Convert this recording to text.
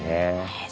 へえ